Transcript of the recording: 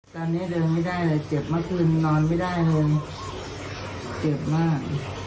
ตอนนี้เดินไม่ได้เลยเจ็บเมื่อคืนนอนไม่ได้ลงเจ็บมาก